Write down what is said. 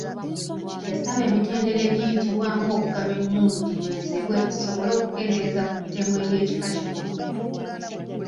Yasaba emitendera egiyitibwamu okugaba emmundu ginywezebwe kisobole okukendeeza ku ttemu ery’ekika kino.